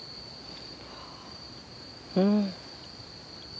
うん。